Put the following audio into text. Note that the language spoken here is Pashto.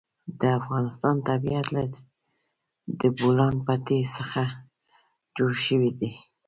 د افغانستان طبیعت له د بولان پټي څخه جوړ شوی دی.